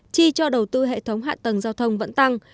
chi cho đầu tư hệ thống hạ tầng giao thông vẫn tăng